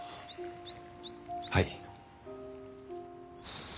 はい。